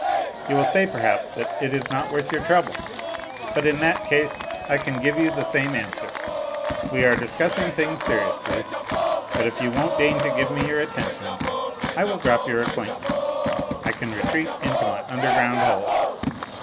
You will say, perhaps, that it is not worth your trouble ; but in that case I can give you the same answer. We are dis cussing things seriously ; but if you won't deign to give me your attention, I will drop your acquaintance. I can retreat into my underground hole.